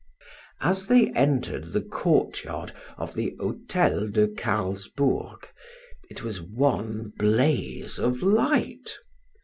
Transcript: As they entered the courtyard of the Hotel de Carlsbourg it was one blaze of light.